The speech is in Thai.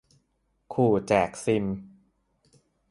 ขู่แจกซิม